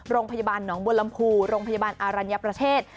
โรงพยาบาลหนองบัวลำพูโรงพยาบาลอารัญญประเทศ